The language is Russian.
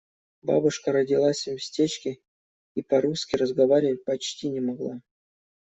Бабушка родилась в местечке и по-русски разговаривать почти не могла.